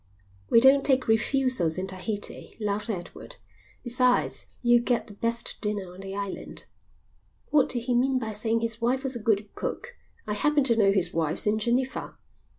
"We don't take refusals in Tahiti," laughed Edward. "Besides, you'll get the best dinner on the island." "What did he mean by saying his wife was a good cook? I happen to know his wife's in Geneva."